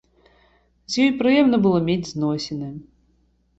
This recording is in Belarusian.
З ёй прыемна было мець зносіны.